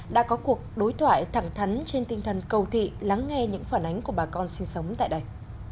đã có cuộc đối thoại thẳng thắn trên tinh thần cầu thị lắng nghe những phản ánh của bà con sinh sống tại đây